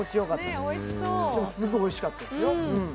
でも、すごいおいしかったですよ。